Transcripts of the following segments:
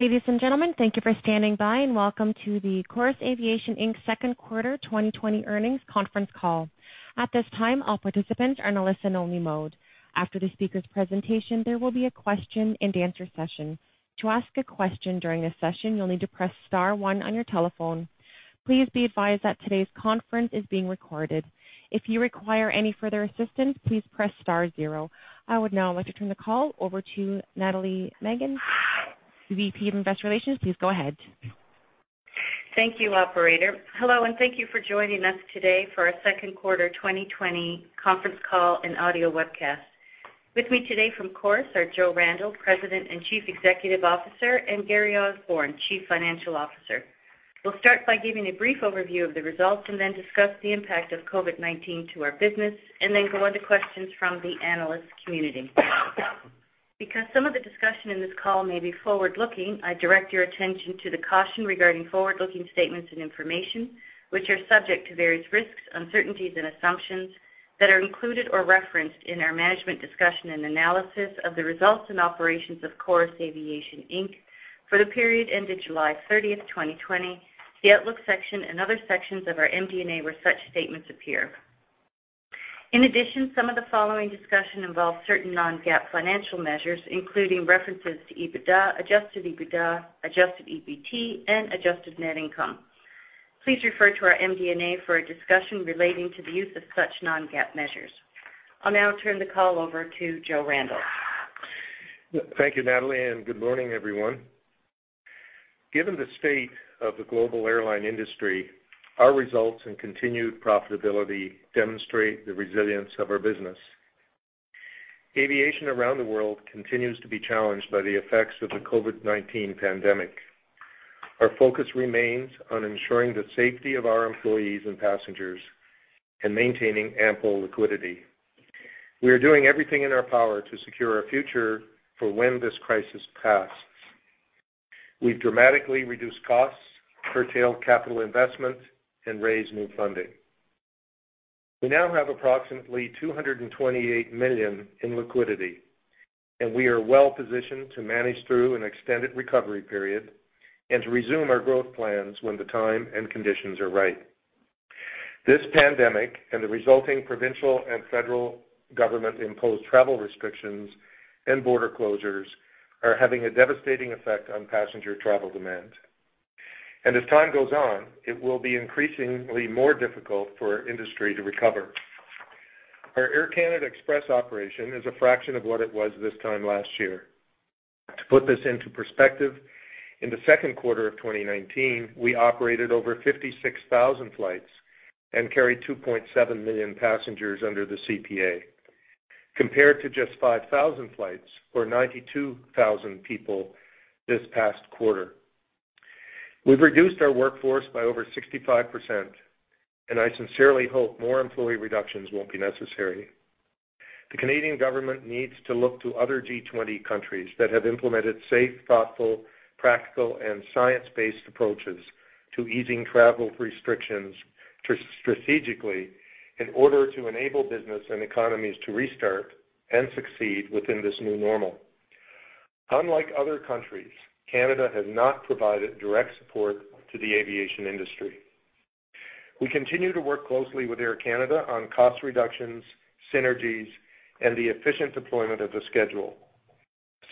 Ladies and gentlemen, thank you for standing by and welcome to the Chorus Aviation Inc. Second Quarter 2020 Earnings Conference Call. At this time, all participants are in a listen-only mode. After the speaker's presentation, there will be a question-and-answer session. To ask a question during this session, you'll need to press star one on your telephone. Please be advised that today's conference is being recorded. If you require any further assistance, please press star zero. I would now like to turn the call over to Nathalie Megann, VP of Investor Relations. Please go ahead. Thank you, Operator. Hello, and thank you for joining us today for our Second Quarter 2020 Conference Call and Audio Webcast. With me today from Chorus are Joe Randell, President and Chief Executive Officer, and Gary Osborne, Chief Financial Officer. We'll start by giving a brief overview of the results and then discuss the impact of COVID-19 to our business, and then go on to questions from the analyst community. Because some of the discussion in this call may be forward-looking, I direct your attention to the caution regarding forward-looking statements and information, which are subject to various risks, uncertainties, and assumptions that are included or referenced in our management discussion and analysis of the results and operations of Chorus Aviation Inc. for the period ended July 30, 2020, the Outlook section, and other sections of our MD&A where such statements appear. In addition, some of the following discussion involves certain non-GAAP financial measures, including references to EBITDA, Adjusted EBITDA, Adjusted EBT, and Adjusted net income. Please refer to our MD&A for a discussion relating to the use of such non-GAAP measures. I'll now turn the call over to Joe Randell. Thank you, Nathalie, and good morning, everyone. Given the state of the global airline industry, our results and continued profitability demonstrate the resilience of our business. Aviation around the world continues to be challenged by the effects of the COVID-19 pandemic. Our focus remains on ensuring the safety of our employees and passengers and maintaining ample liquidity. We are doing everything in our power to secure a future for when this crisis passes. We've dramatically reduced costs, curtailed capital investment, and raised new funding. We now have approximately $228 million in liquidity, and we are well-positioned to manage through an extended recovery period and to resume our growth plans when the time and conditions are right. This pandemic and the resulting provincial and federal government-imposed travel restrictions and border closures are having a devastating effect on passenger travel demand. As time goes on, it will be increasingly more difficult for our industry to recover. Our Air Canada Express operation is a fraction of what it was this time last year. To put this into perspective, in the second quarter of 2019, we operated over 56,000 flights and carried 2.7 million passengers under the CPA, compared to just 5,000 flights for 92,000 people this past quarter. We've reduced our workforce by over 65%, and I sincerely hope more employee reductions won't be necessary. The Canadian government needs to look to other G20 countries that have implemented safe, thoughtful, practical, and science-based approaches to easing travel restrictions strategically in order to enable business and economies to restart and succeed within this new normal. Unlike other countries, Canada has not provided direct support to the aviation industry. We continue to work closely with Air Canada on cost reductions, synergies, and the efficient deployment of the schedule.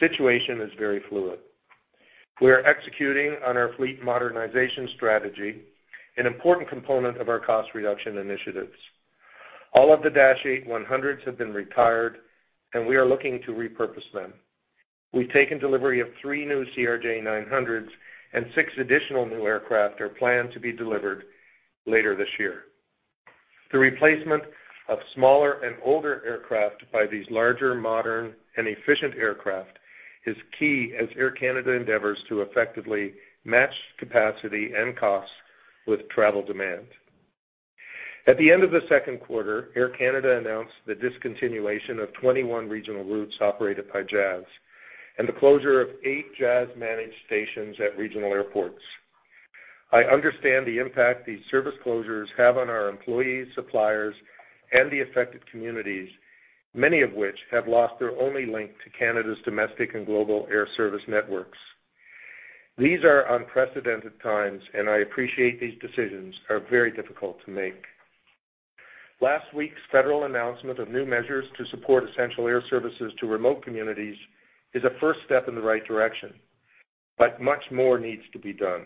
The situation is very fluid. We are executing on our fleet modernization strategy, an important component of our cost reduction initiatives. All of the Dash 8-100s have been retired, and we are looking to repurpose them. We've taken delivery of three new CRJ900s, and six additional new aircraft are planned to be delivered later this year. The replacement of smaller and older aircraft by these larger, modern, and efficient aircraft is key as Air Canada endeavors to effectively match capacity and costs with travel demand. At the end of the second quarter, Air Canada announced the discontinuation of 21 regional routes operated by Jazz and the closure of eight Jazz-managed stations at regional airports. I understand the impact these service closures have on our employees, suppliers, and the affected communities, many of which have lost their only link to Canada's domestic and global air service networks. These are unprecedented times, and I appreciate these decisions are very difficult to make. Last week's federal announcement of new measures to support essential air services to remote communities is a first step in the right direction, but much more needs to be done.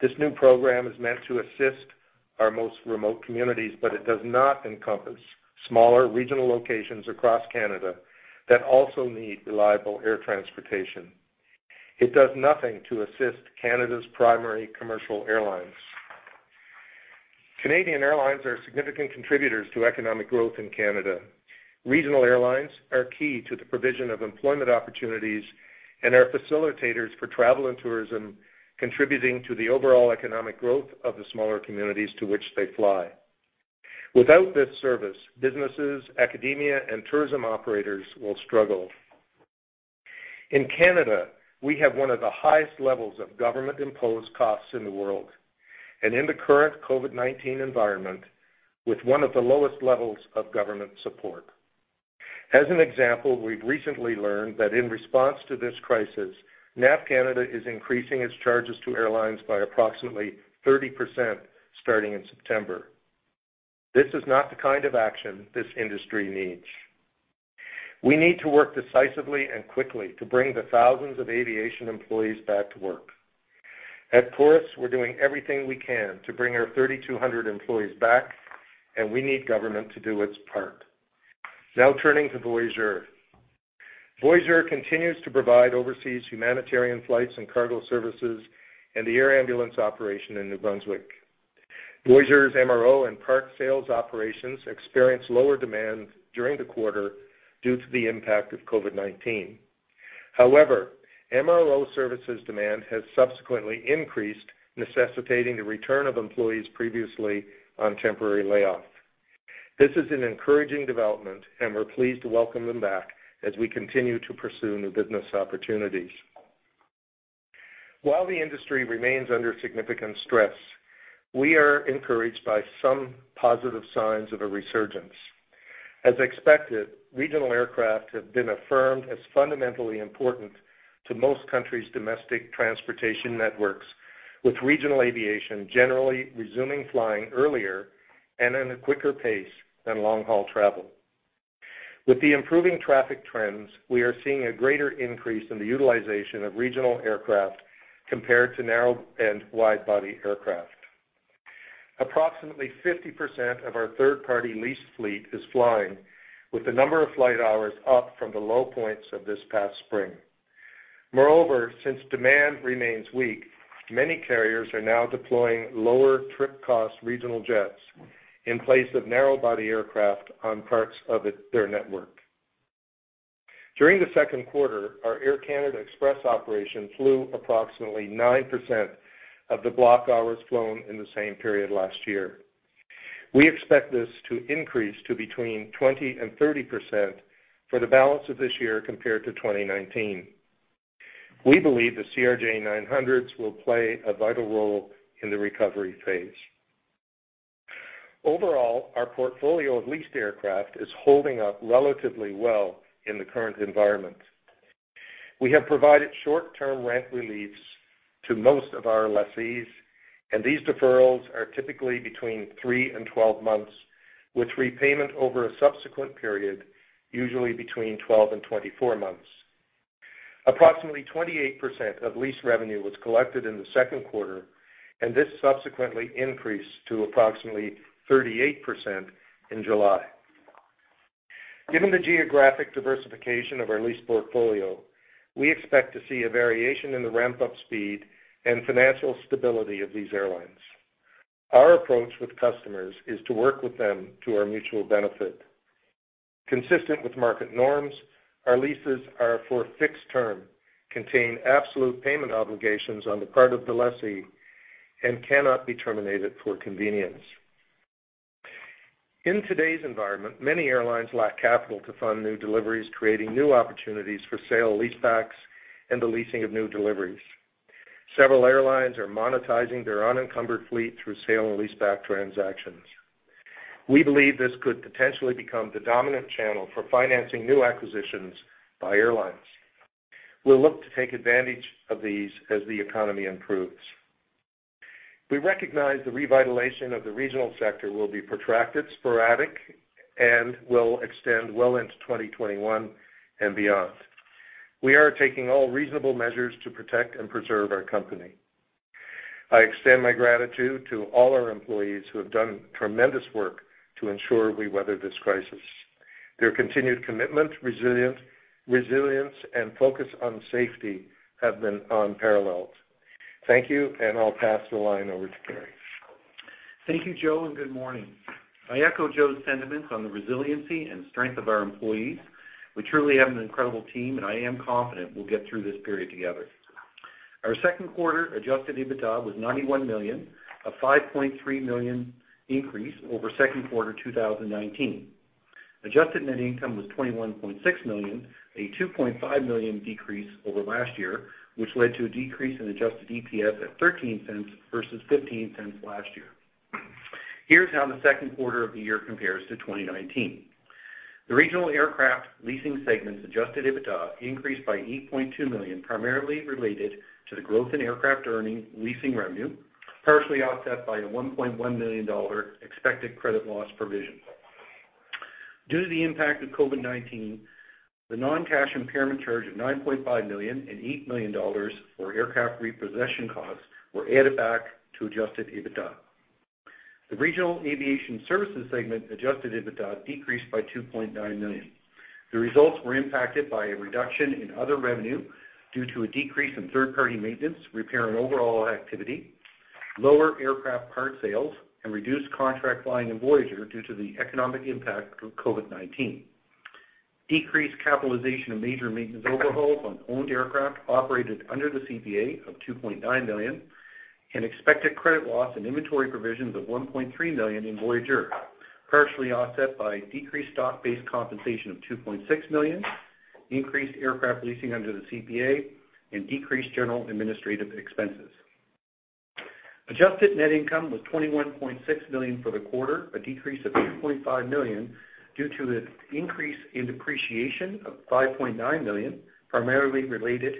This new program is meant to assist our most remote communities, but it does not encompass smaller regional locations across Canada that also need reliable air transportation. It does nothing to assist Canada's primary commercial airlines. Canadian airlines are significant contributors to economic growth in Canada. Regional airlines are key to the provision of employment opportunities and are facilitators for travel and tourism, contributing to the overall economic growth of the smaller communities to which they fly. Without this service, businesses, academia, and tourism operators will struggle. In Canada, we have one of the highest levels of government-imposed costs in the world, and in the current COVID-19 environment, with one of the lowest levels of government support. As an example, we've recently learned that in response to this crisis, NAV CANADA is increasing its charges to airlines by approximately 30% starting in September. This is not the kind of action this industry needs. We need to work decisively and quickly to bring the thousands of aviation employees back to work. At Chorus, we're doing everything we can to bring our 3,200 employees back, and we need government to do its part. Now turning to Voyageur. Voyageur continues to provide overseas humanitarian flights and cargo services and the air ambulance operation in New Brunswick. Voyageur's MRO and parts sales operations experienced lower demand during the quarter due to the impact of COVID-19. However, MRO services demand has subsequently increased, necessitating the return of employees previously on temporary layoff. This is an encouraging development, and we're pleased to welcome them back as we continue to pursue new business opportunities. While the industry remains under significant stress, we are encouraged by some positive signs of a resurgence. As expected, regional aircraft have been affirmed as fundamentally important to most countries' domestic transportation networks, with regional aviation generally resuming flying earlier and at a quicker pace than long-haul travel. With the improving traffic trends, we are seeing a greater increase in the utilization of regional aircraft compared to narrow and wide-body aircraft. Approximately 50% of our third-party leased fleet is flying, with the number of flight hours up from the low points of this past spring. Moreover, since demand remains weak, many carriers are now deploying lower trip cost regional jets in place of narrow-body aircraft on parts of their network. During the second quarter, our Air Canada Express operation flew approximately 9% of the block hours flown in the same period last year. We expect this to increase to between 20 and 30% for the balance of this year compared to 2019. We believe the CRJ900s will play a vital role in the recovery phase. Overall, our portfolio of leased aircraft is holding up relatively well in the current environment. We have provided short-term rent reliefs to most of our lessees, and these deferrals are typically between three and 12 months, with repayment over a subsequent period, usually between 12 and 24 months. Approximately 28% of lease revenue was collected in the second quarter, and this subsequently increased to approximately 38% in July. Given the geographic diversification of our leased portfolio, we expect to see a variation in the ramp-up speed and financial stability of these airlines. Our approach with customers is to work with them to our mutual benefit. Consistent with market norms, our leases are for a fixed term, contain absolute payment obligations on the part of the lessee, and cannot be terminated for convenience. In today's environment, many airlines lack capital to fund new deliveries, creating new opportunities for sale and lease-backs and the leasing of new deliveries. Several airlines are monetizing their unencumbered fleet through sale and lease-back transactions. We believe this could potentially become the dominant channel for financing new acquisitions by airlines. We'll look to take advantage of these as the economy improves. We recognize the revitalization of the regional sector will be protracted, sporadic, and will extend well into 2021 and beyond. We are taking all reasonable measures to protect and preserve our company. I extend my gratitude to all our employees who have done tremendous work to ensure we weather this crisis. Their continued commitment, resilience, and focus on safety have been unparalleled. Thank you, and I'll pass the line over to Gary. Thank you, Joe, and good morning. I echo Joe's sentiments on the resiliency and strength of our employees. We truly have an incredible team, and I am confident we'll get through this period together. Our second quarter Adjusted EBITDA was 91 million, a 5.3 million increase over second quarter 2019. Adjusted net income was 21.6 million, a 2.5 million decrease over last year, which led to a decrease in Adjusted EPS at 0.13 versus 0.15 last year. Here's how the second quarter of the year compares to 2019. The regional aircraft leasing segment's Adjusted EBITDA increased by 8.2 million, primarily related to the growth in aircraft earning leasing revenue, partially offset by a 1.1 million dollar expected credit loss provision. Due to the impact of COVID-19, the non-cash impairment charge of 9.5 million and 8 million dollars for aircraft repossession costs were added back to Adjusted EBITDA. The regional aviation services segment Adjusted EBITDA decreased by 2.9 million. The results were impacted by a reduction in other revenue due to a decrease in third-party maintenance, repair, and overall activity, lower aircraft part sales, and reduced contract flying in Voyageur due to the economic impact of COVID-19. Decreased capitalization of major maintenance overhauls on owned aircraft operated under the CPA of 2.9 million, and expected credit loss and inventory provisions of 1.3 million in Voyageur, partially offset by decreased stock-based compensation of 2.6 million, increased aircraft leasing under the CPA, and decreased general administrative expenses. Adjusted net income was $21.6 million for the quarter, a decrease of $2.5 million due to an increase in depreciation of $5.9 million, primarily related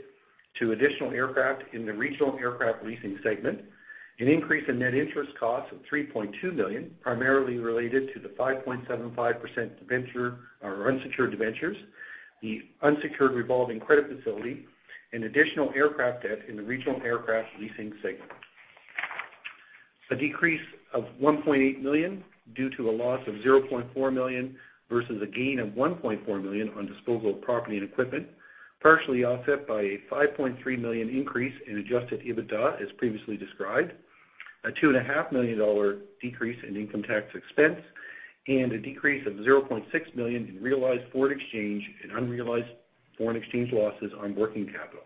to additional aircraft in the regional aircraft leasing segment, an increase in net interest costs of $3.2 million, primarily related to the 5.75% unsecured debentures, the unsecured revolving credit facility, and additional aircraft debt in the regional aircraft leasing segment. A decrease of $1.8 million due to a loss of $0.4 million versus a gain of $1.4 million on disposal of property and equipment, partially offset by a $5.3 million increase in Adjusted EBITDA, as previously described, a $2.5 million decrease in income tax expense, and a decrease of $0.6 million in realized foreign exchange and unrealized foreign exchange losses on working capital.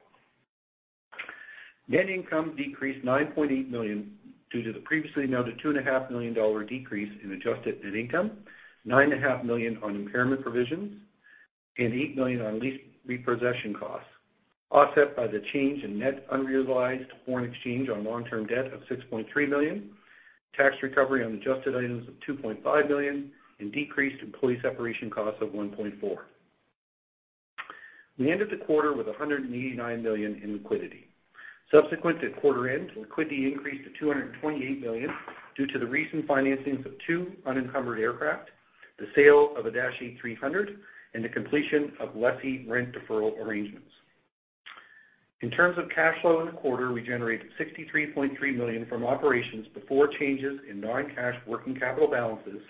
Net income decreased 9.8 million due to the previously noted 2.5 million dollar decrease in Adjusted net income, 9.5 million on impairment provisions, and 8 million on lease repossession costs, offset by the change in net unrealized foreign exchange on long-term debt of 6.3 million, tax recovery on Adjusted items of 2.5 million, and decreased employee separation costs of 1.4 million. We ended the quarter with 189 million in liquidity. Subsequent to quarter end, liquidity increased to 228 million due to the recent financings of two unencumbered aircraft, the sale of a Dash 8-300, and the completion of lessee rent deferral arrangements. In terms of cash flow in the quarter, we generated 63.3 million from operations before changes in non-cash working capital balances,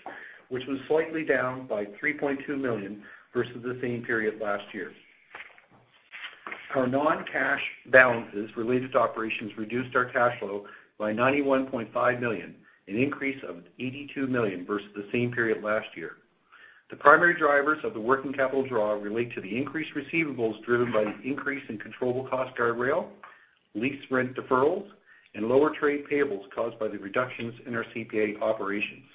which was slightly down by 3.2 million versus the same period last year. Our non-cash balances related to operations reduced our cash flow by $91.5 million, an increase of $82 million versus the same period last year. The primary drivers of the working capital draw relate to the increased receivables driven by the increase in controllable cost guardrail, lease rent deferrals, and lower trade payables caused by the reductions in our CPA operations.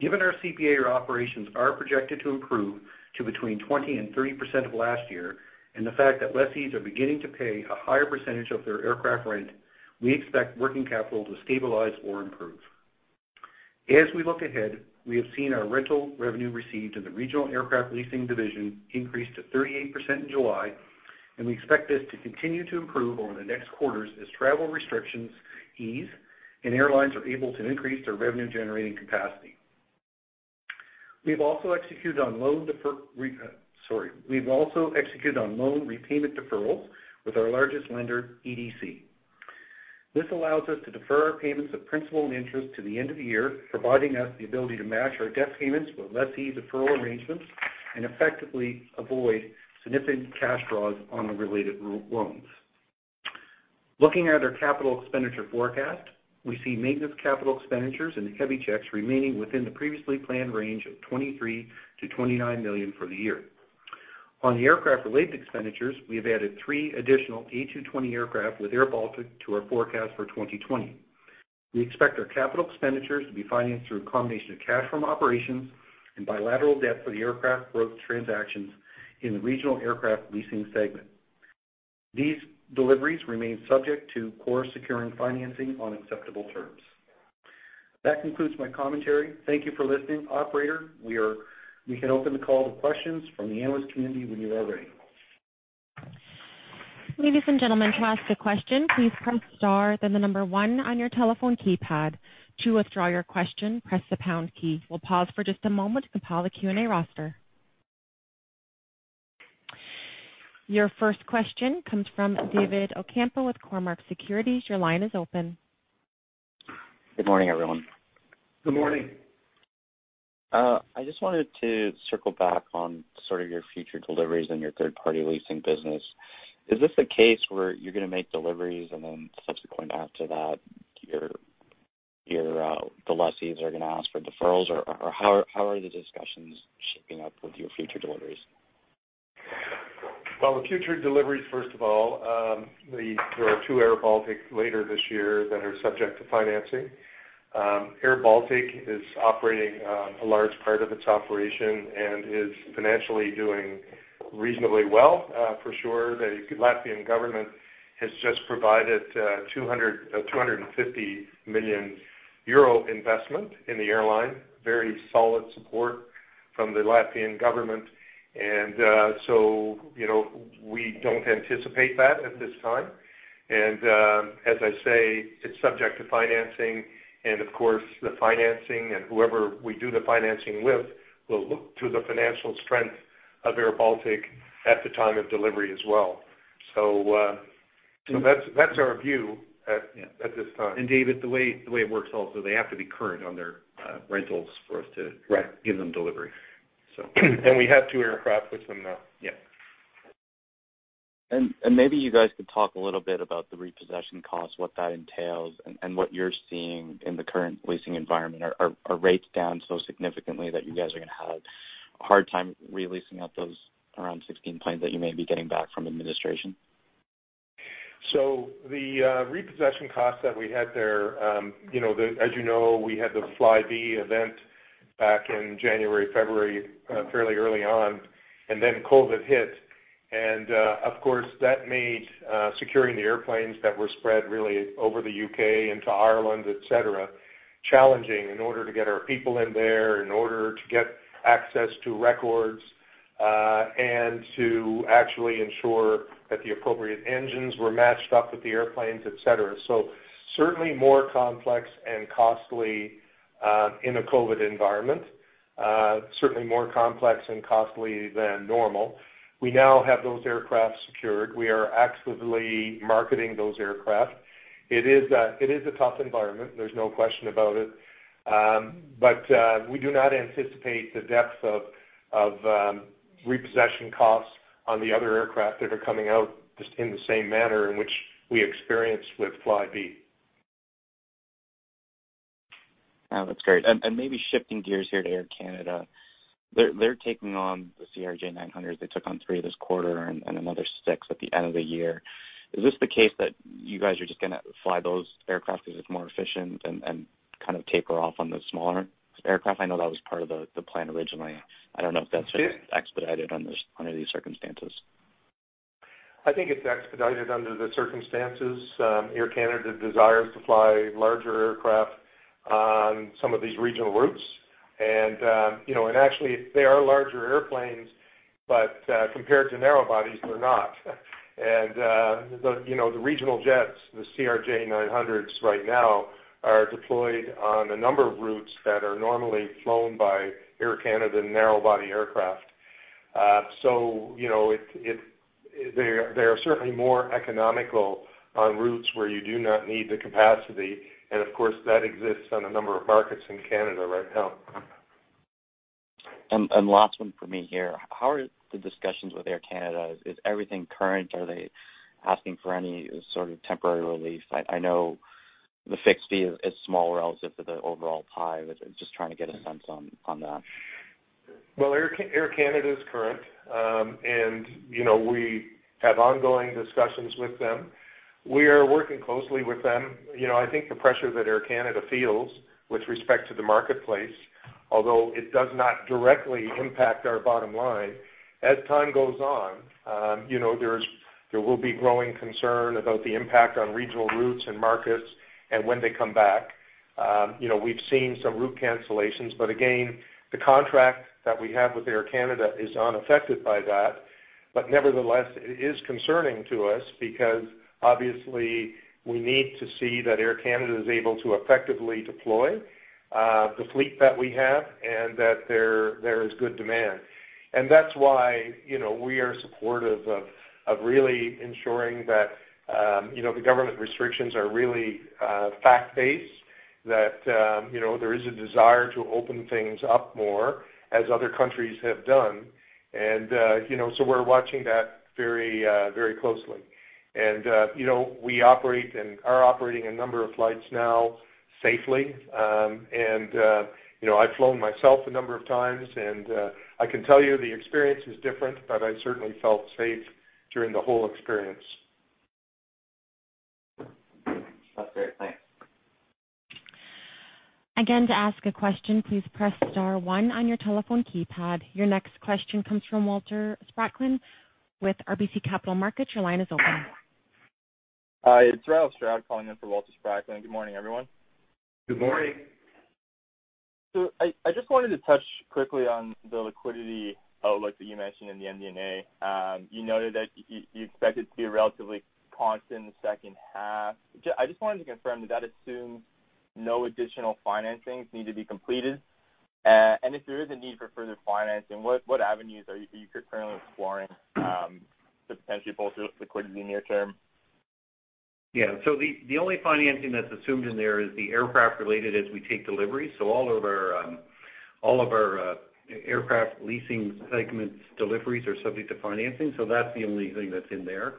Given our CPA operations are projected to improve to between 20%-30% of last year, and the fact that lessees are beginning to pay a higher percentage of their aircraft rent, we expect working capital to stabilize or improve. As we look ahead, we have seen our rental revenue received in the regional aircraft leasing division increase to 38% in July, and we expect this to continue to improve over the next quarters as travel restrictions ease and airlines are able to increase their revenue-generating capacity. We've also executed on loan repayment deferrals with our largest lender, EDC. This allows us to defer our payments of principal and interest to the end of the year, providing us the ability to match our debt payments with lessee deferral arrangements and effectively avoid significant cash draws on the related loans. Looking at our capital expenditure forecast, we see maintenance capital expenditures and heavy checks remaining within the previously planned range of 23 million-29 million for the year. On the aircraft-related expenditures, we have added three additional A220 aircraft with airBaltic to our forecast for 2020. We expect our capital expenditures to be financed through a combination of cash from operations and bilateral debt for the aircraft growth transactions in the regional aircraft leasing segment. These deliveries remain subject to us securing financing on acceptable terms. That concludes my commentary. Thank you for listening. Operator, we can open the call to questions from the analyst community when you're all ready. Ladies and gentlemen, to ask a question, please press star, then the number one on your telephone keypad. To withdraw your question, press the pound key. We'll pause for just a moment to compile the Q&A roster. Your first question comes from David Ocampo with Cormark Securities. Your line is open. Good morning, everyone. Good morning. I just wanted to circle back on sort of your future deliveries and your third-party leasing business. Is this the case where you're going to make deliveries and then subsequent after that the lessees are going to ask for deferrals? Or how are the discussions shaping up with your future deliveries? Well, the future deliveries, first of all, there are two airBaltic later this year that are subject to financing. airBaltic is operating a large part of its operation and is financially doing reasonably well, for sure. The Latvian government has just provided a 250 million euro investment in the airline, very solid support from the Latvian government. And so we don't anticipate that at this time. And as I say, it's subject to financing. And of course, the financing and whoever we do the financing with will look to the financial strength of airBaltic at the time of delivery as well. So that's our view at this time. David, the way it works also, they have to be current on their rentals for us to give them delivery. We have two aircraft with them now. Yeah. Maybe you guys could talk a little bit about the repossession costs, what that entails, and what you're seeing in the current leasing environment. Are rates down so significantly that you guys are going to have a hard time releasing out those around 16 planes that you may be getting back from administration? So the repossession costs that we had there, as you know, we had the Flybe event back in January, February, fairly early on, and then COVID hit. And of course, that made securing the airplanes that were spread really over the U.K. into Ireland, etc., challenging in order to get our people in there, in order to get access to records, and to actually ensure that the appropriate engines were matched up with the airplanes, etc. So certainly more complex and costly in a COVID environment, certainly more complex and costly than normal. We now have those aircraft secured. We are actively marketing those aircraft. It is a tough environment. There's no question about it. But we do not anticipate the depth of repossession costs on the other aircraft that are coming out in the same manner in which we experienced with Flybe. That's great. Maybe shifting gears here to Air Canada, they're taking on the CRJ900. They took on three this quarter and another six at the end of the year. Is this the case that you guys are just going to fly those aircraft because it's more efficient and kind of taper off on the smaller aircraft? I know that was part of the plan originally. I don't know if that's expedited under these circumstances. I think it's expedited under the circumstances. Air Canada desires to fly larger aircraft on some of these regional routes. Actually, they are larger airplanes, but compared to narrow bodies, they're not. The regional jets, the CRJ900s right now, are deployed on a number of routes that are normally flown by Air Canada and narrow body aircraft. So they are certainly more economical on routes where you do not need the capacity. Of course, that exists on a number of markets in Canada right now. Last one for me here. How are the discussions with Air Canada? Is everything current? Are they asking for any sort of temporary relief? I know the fixed fee is small relative to the overall pie. Just trying to get a sense on that. Well, Air Canada is current, and we have ongoing discussions with them. We are working closely with them. I think the pressure that Air Canada feels with respect to the marketplace, although it does not directly impact our bottom line, as time goes on, there will be growing concern about the impact on regional routes and markets and when they come back. We've seen some route cancellations, but again, the contract that we have with Air Canada is unaffected by that. But nevertheless, it is concerning to us because obviously we need to see that Air Canada is able to effectively deploy the fleet that we have and that there is good demand. And that's why we are supportive of really ensuring that the government restrictions are really fact-based, that there is a desire to open things up more as other countries have done. And so we're watching that very closely. And we operate and are operating a number of flights now safely. And I've flown myself a number of times, and I can tell you the experience is different, but I certainly felt safe during the whole experience. That's great. Thanks. Again, to ask a question, please press star one on your telephone keypad. Your next question comes from Walter Spracklin with RBC Capital Markets. Your line is open. Hi, it's Raoul Stroud calling in for Walter Spracklin. Good morning, everyone. Good morning. I just wanted to touch quickly on the liquidity that you mentioned in the MD&A. You noted that you expect it to be relatively constant in the second half. I just wanted to confirm that that assumes no additional financings need to be completed. If there is a need for further financing, what avenues are you currently exploring to potentially bolster liquidity in the near term? Yeah. So the only financing that's assumed in there is the aircraft-related as we take deliveries. So all of our aircraft leasing segment deliveries are subject to financing. So that's the only thing that's in there.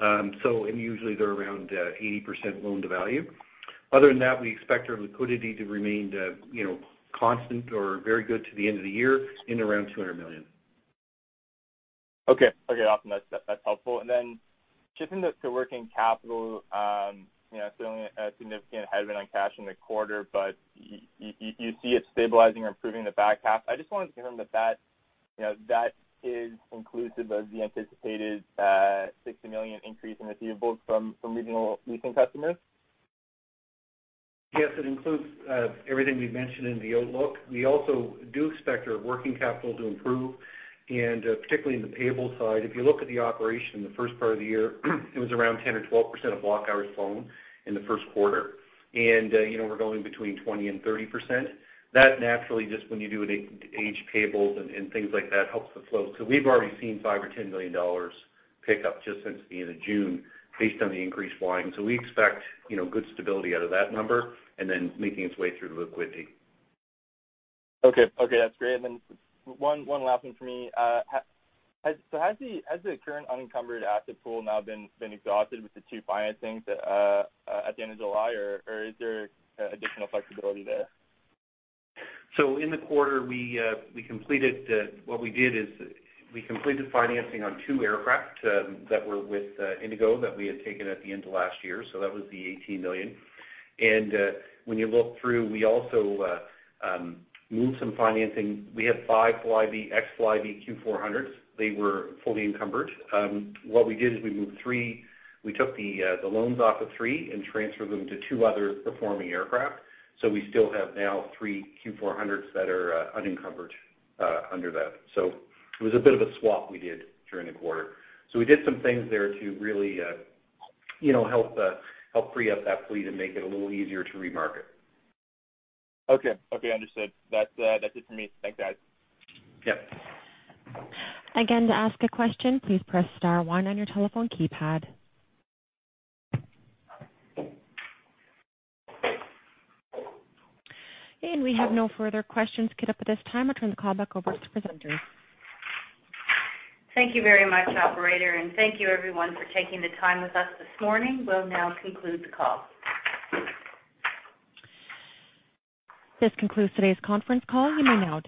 And usually, they're around 80% loan to value. Other than that, we expect our liquidity to remain constant or very good to the end of the year in around 200 million. Okay. Okay. Awesome. That's helpful. And then shifting to working capital, certainly a significant headwind on cash in the quarter, but you see it stabilizing or improving the back half. I just wanted to confirm that that is inclusive of the anticipated 60 million increase in receivables from regional leasing customers? Yes, it includes everything we've mentioned in the outlook. We also do expect our working capital to improve, and particularly in the payable side. If you look at the operation in the first part of the year, it was around 10% or 12% of block hours flown in the first quarter. We're going between 20%-30%. That naturally, just when you do age payables and things like that, helps the flow. We've already seen 5 million or 10 million dollars pick up just since the end of June based on the increased flying. We expect good stability out of that number and then making its way through the liquidity. Okay. Okay. That's great. And then one last one for me. So has the current unencumbered asset pool now been exhausted with the two financings at the end of July, or is there additional flexibility there? So in the quarter, what we did is we completed financing on two aircraft that were with IndiGo that we had taken at the end of last year. So that was the 18 million. And when you look through, we also moved some financing. We had five ex-Flybe Q400s. They were fully encumbered. What we did is we took the loans off of three and transferred them to two other performing aircraft. So we still have now three Q400s that are unencumbered under that. So it was a bit of a swap we did during the quarter. So we did some things there to really help free up that fleet and make it a little easier to remarket. Okay. Okay. Understood. That's it for me. Thanks, guys. Yep. Again, to ask a question, please press star one on your telephone keypad. We have no further questions coming up at this time. I'll turn the call back over to the presenters. Thank you very much, Operator. Thank you, everyone, for taking the time with us this morning. We'll now conclude the call. This concludes today's conference call. You may now.